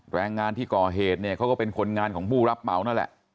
แรงงานที่ก่อเหตุเนี่ยเขาก็เป็นคนงานของผู้รับเหมานั่นแหละ